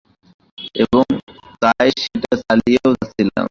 এবং তাই সেটা চালিয়েও যাচ্ছিলাম।